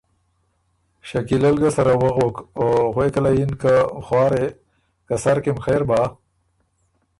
شکیلۀ ل ګه سره وغُک او غوېکه له یِن که ”خوارې !ـــ که سر کی م خېر بۀ